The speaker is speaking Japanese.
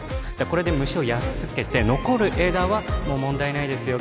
これで虫をやっつけて残る枝はもう問題ないですよ